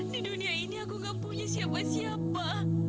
di dunia ini aku gak punya siapa siapa